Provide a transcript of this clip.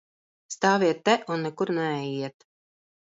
Stāviet te un nekur neejiet!